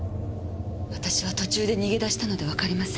私は途中で逃げ出したのでわかりません。